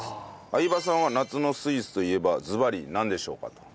相葉さんは夏のスイーツといえばずばりなんでしょうか？と。